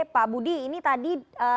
pak budi ini tadi